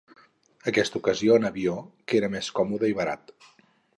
Aquesta ocasió, en avió, que era més còmode i barat.